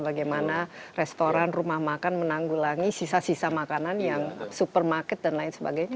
bagaimana restoran rumah makan menanggulangi sisa sisa makanan yang supermarket dan lain sebagainya